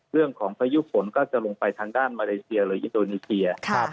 เรื่องของพยุคนก็จะลงไปทางด้านมาเลเซียหรืออิตโนเนเซีย